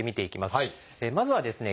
まずはですね